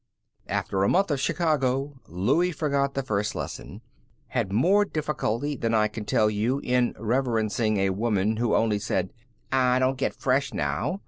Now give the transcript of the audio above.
After a month of Chicago Louie forgot the first lesson; had more difficulty than I can tell you in reverencing a woman who only said, "Aw, don't get fresh now!"